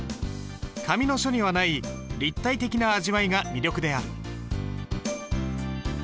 紙の書にはない立体的な味わいが魅力である。